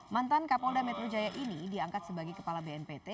mantan kapolda metro jaya ini diangkat sebagai kepala bnpt